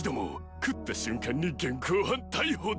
食った瞬間に現行犯逮捕だ。